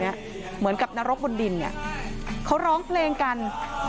เหมือนกับนรกบนดินเนี่ยเขาร้องเพลงกัน